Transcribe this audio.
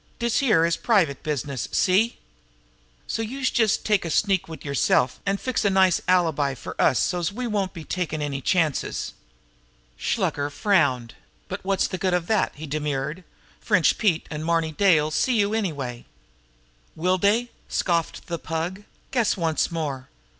Dis is private business see? So youse just take a sneak wid yerself, an' fix a nice little alibi fer us so's we won't be takin' any chances." Shluker frowned. "But what's the good of that?" he demurred. "French Pete and Marny Day 'll see you anyway." "Will dey!" scoffed the Pug. "Guess once more!